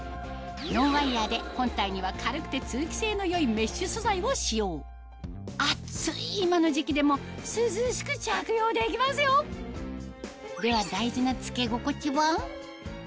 ノンワイヤーで本体には軽くて通気性の良いメッシュ素材を使用暑い今の時期でも涼しく着用できますよでは大事な着け心地は？